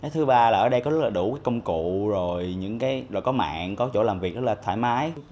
thứ ba là ở đây có rất là đủ công cụ rồi những cái có mạng có chỗ làm việc rất là thoải mái